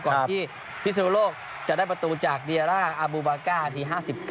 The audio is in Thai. ก่อนที่พิศนุโลกจะได้ประตูจากเดียร่าอาบูบาก้านาที๕๙